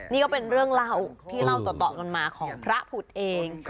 นี่ก็เป็นเรื่องเล่าที่เล่าต่อกันมาของพระผุดเอง